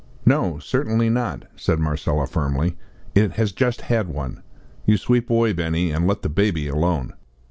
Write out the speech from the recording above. "No, certainly not," said Marcella, firmly; "it has just had one. You sweep away, Benny, and let the baby alone."